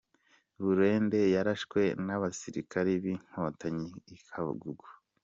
Burende yarashwe n’abasirikari b’Inkotanyi i Kagugu.